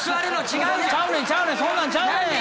そんなんちゃうねん！